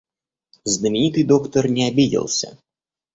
Знаменитый доктор не обиделся.